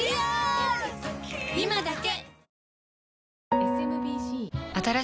今だけ！